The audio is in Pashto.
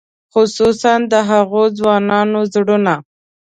خصوصاً د هغو ځوانانو زړونه.